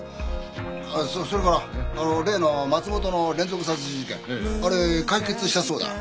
それから例の松本の連続殺人事件あれ解決したそうだ